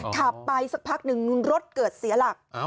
ขับไปสักพักหนึ่งรถเกิดเสียหลัก